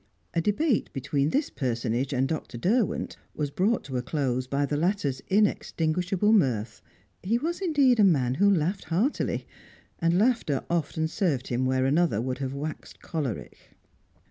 A debate between this personage and Dr. Derwent was brought to a close by the latter's inextinguishable mirth. He was, indeed, a man who laughed heartily, and laughter often served him where another would have waxed choleric.